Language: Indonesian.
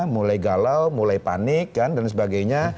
mulai galau mulai panik dan sebagainya